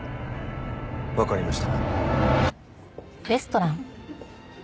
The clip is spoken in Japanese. わかりました。